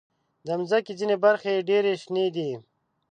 د مځکې ځینې برخې ډېر شنې دي.